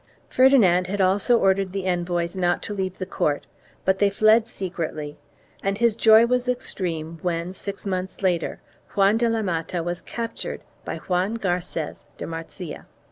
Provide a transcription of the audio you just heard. Ferdinand had also ordered the envoys not to leave the court, but they fled secretly and his joy was extreme when, six months later, Juan de la Mata was captured by Juan Garces de Marzilla.